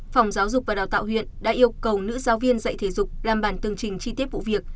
phòng giáo dục và đào tạo huyện đã yêu cầu nữ giáo viên dạy thể dục làm bản tương trình chi tiết vụ việc